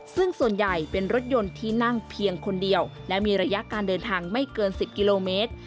ซึ่งส่วนใหญ่เป็นรถยนต์ที่นั่งเพียงคนเดียวและมีระยะการเดินทางไม่เกิน๑๐กิโลเมตร